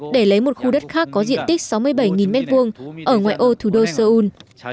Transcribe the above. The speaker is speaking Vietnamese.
để lấy một khu đất khác có diện tích sáu mươi bảy m hai ở ngoại ô thủ đô seoul